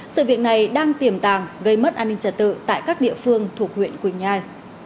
sự việc này đang tiềm tàng gây mất an ninh trật tự tại các địa phương thuộc huyện quỳnh nhai